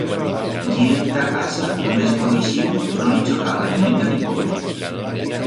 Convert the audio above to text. Yir enta casa d'un desconoixiu no li chocaba ni mica ni pont.